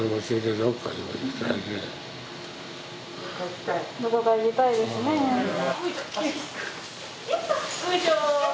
よいしょ。